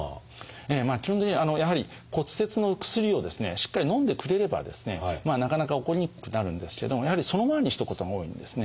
基本的にやはり骨折のお薬をですねしっかりのんでくれればですねなかなか起こりにくくなるんですけどもやはりそのままにしておくことが多いんですね。